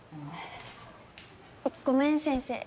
ごめん先生。